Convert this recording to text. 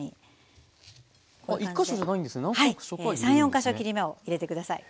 ３４か所切り目を入れてください。